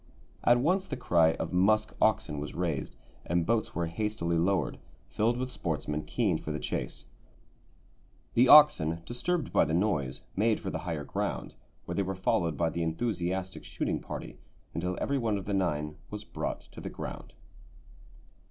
At once the cry of "musk oxen" was raised, and boats were hastily lowered, filled with sportsmen keen for the chase. The oxen, disturbed by the noise, made for the higher ground, where they were followed by the enthusiastic shooting party until every one of the nine was brought to the ground.